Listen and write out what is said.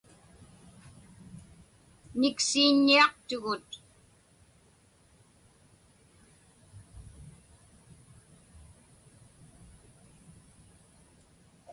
Niksiiññiaqtugut.